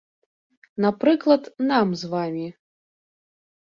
Напрыклад, нам з вамі.